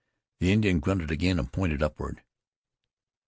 The Indian grunted again, and pointed upward.